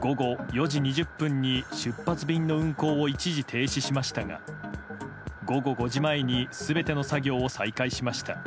午後４時２０分に出発便の運航を一時停止しましたが午後５時前に全ての作業を再開しました。